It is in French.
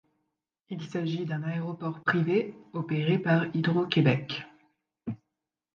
Il s'agit d'un aéroport privé opéré par Hydro-Québec.